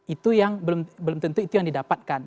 itu yang belum tentu itu yang didapatkan